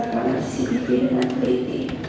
pada sisi kiriman t t